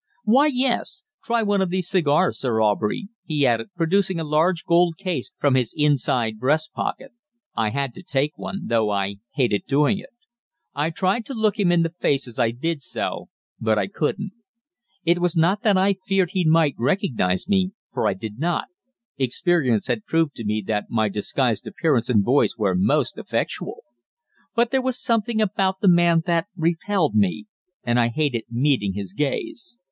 "Why, yes. Try one of these cigars, Sir Aubrey," he added, producing a large gold case from his inside breast pocket. I had to take one, though I hated doing it. I tried to look him in the face as I did so, but I couldn't. It was not that I feared he might recognize me, for I did not experience had proved to me that my disguised appearance and voice were most effectual. But there was something about the man that repelled me, and I hated meeting his gaze.